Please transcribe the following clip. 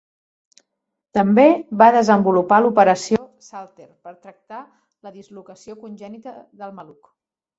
També va desenvolupar l'operació Salter per tractar la dislocació congènita del maluc.